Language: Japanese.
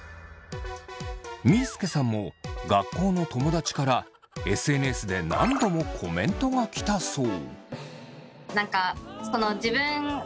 みーすけさんも学校の友だちからＳＮＳで何度もコメントが来たそう。